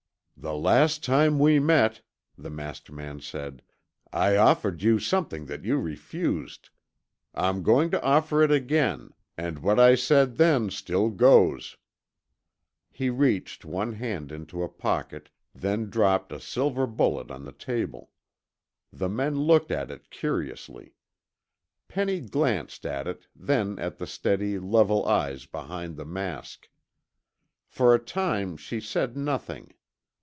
"The last time we met," the masked man said, "I offered you something that you refused. I'm going to offer it again, and what I said then still goes." He reached one hand into a pocket, then dropped a silver bullet on the table. The men looked at it curiously. Penny glanced at it, then at the steady, level eyes behind the mask. For a time she said nothing.